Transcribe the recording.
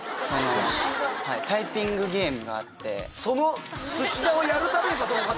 タイピングゲームがあって。